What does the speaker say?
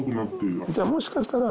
じゃあもしかしたら。